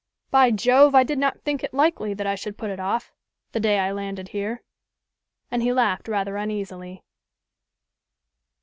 By Jove! I did not think it likely that I should put it off, the day I landed here." And he laughed rather uneasily.